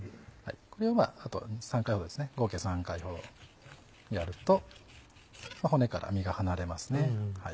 これをあと３回ほどですね合計３回ほどやると骨から身が離れますね。